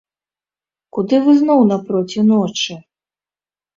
Куды вы зноў напроці ночы?